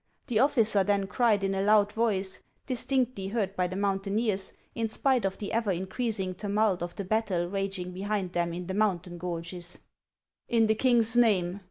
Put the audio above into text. The officer then cried in a loud voice, distinctly heard by the mountaineers, in spite of the ever increasing tumult of the battle raging behind them in the mountain gorges :" In the king's name